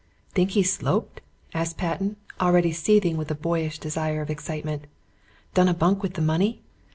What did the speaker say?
"Think he's sloped?" asked Patten, already seething with boyish desire of excitement. "Done a bunk with the money?"